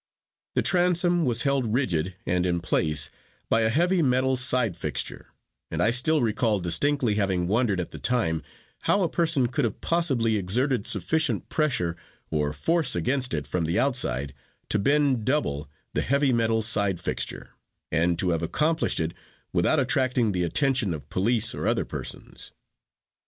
The transom was held rigid and in place by a heavy metal side fixture, and I still recall distinctly having wondered at the time how a person could have possibly exerted sufficient pressure or force against it from the outside to bend double the heavy metal side fixture, and to have accomplished it without attracting the attention of police or other persons.